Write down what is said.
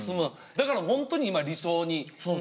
だからホントに今理想に近くて。